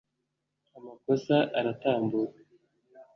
amakosa aratambuka